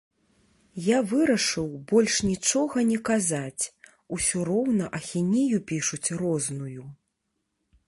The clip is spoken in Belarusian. Я вырашыў больш нічога не казаць, усё роўна ахінею пішуць розную.